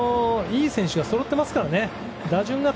いい選手がそろってますからね。